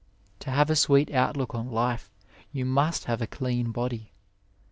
To have a sweet outlook on life you must have a clean body.